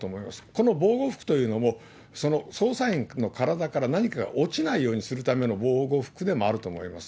この防護服というのも、捜査員の体から何かが落ちないようにするための防護服でもあると思います。